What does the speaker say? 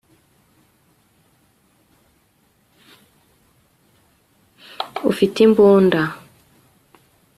ufite imbunda